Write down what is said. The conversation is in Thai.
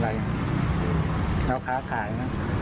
อ๋อไม่อยากเยี่ยวนะ